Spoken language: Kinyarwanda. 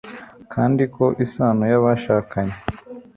kandi ko isano y'abashakanye